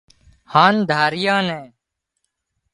هانَ ڌرايئان نين